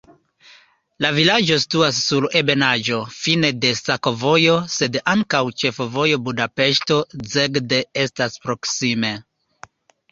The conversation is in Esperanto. La vilaĝo situas sur ebenaĵo, fine de sakovojo, sed ankaŭ ĉefvojo Budapeŝto-Szeged estas proksime.